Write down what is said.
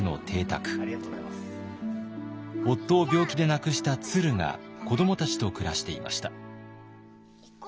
夫を病気で亡くしたツルが子どもたちと暮らしていました。